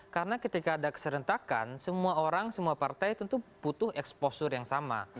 karena ketika ada keserentakan semua orang semua partai tentu butuh exposure yang sama